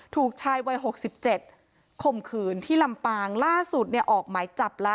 ถูกชายวัย๖๗ข่มขืนที่ลำปางล่าสุดเนี่ยออกหมายจับละ